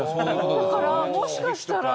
だからもしかしたら。